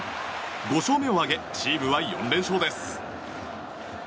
５勝目を挙げチームは４連勝です。